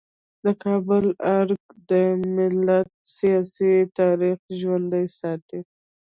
د کابل ارګ د ملت سیاسي تاریخ ژوندی ساتي.